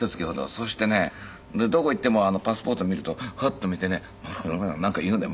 そしてねどこ行ってもパスポート見るとハッと見てねなんか言うんだよ。